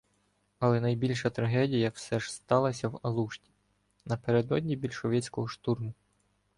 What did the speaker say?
Але найбільша трагедія все ж сталася в Алушті напередодні більшовицького штурму.